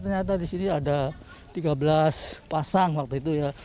ternyata di sini ada tiga belas pasang waktu itu ya